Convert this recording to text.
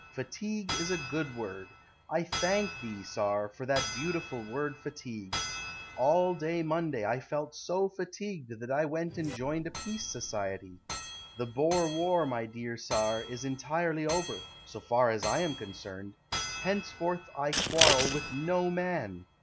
Fatigue is a good word. I thank thee, Tsar, for that beautiful word fatigue. All day Monday I felt so fatigued That I went and joined a Peace Society. The Boer war, my dear Tsar, Is entirely over, So far as I am concerned; Henceforth I quarrel with no man.